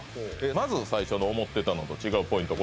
まず最初の思ってたのと違うポイント